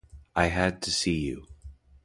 I had to see you.